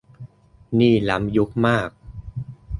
นี่ล้ำยุคมาก